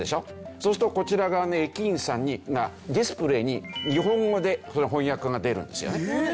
そうするとこちら側の駅員さんにディスプレイに日本語でその翻訳が出るんですよね。